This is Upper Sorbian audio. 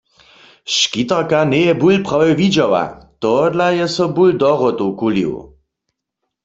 Škitarka njeje bul prawje widźała, tohodla je so bul do wrotow kulił.